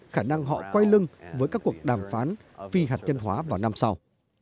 khả năng họ quay lưng với các cuộc đàm phán phi hạt nhân hóa vào năm sau